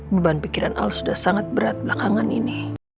beban pikiran al sudah sangat berat belakangan ini